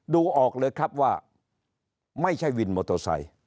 ดูออกเลยครับว่าไม่ใช่วินมอเตอร์ไซค์